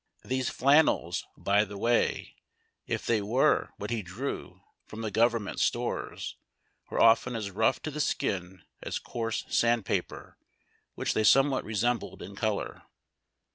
These flannels, by the way, if they were what he drew from the government stores, were often as rough to the skin as coarse sand paper, which they somew^hat resembled in color.